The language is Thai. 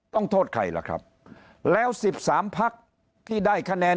ต้องโทษใครล่ะครับแล้วสิบสามภักดิ์ที่ได้คะแนน